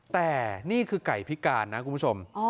แต่นี่คือไก่พิการนะคุณผู้ชม